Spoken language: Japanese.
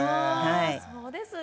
そうですね。